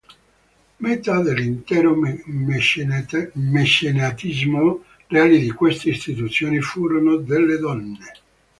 Metà dell'intero mecenatismo reali di queste istituzioni furono delle donne.